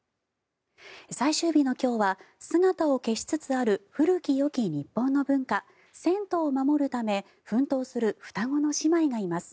最終日の今日は姿を消しつつある古きよき日本の文化銭湯を守るため奮闘する双子の姉妹がいます。